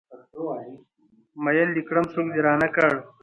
ميين د کړم سوک د رانه کړ